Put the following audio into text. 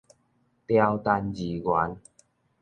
牢單字元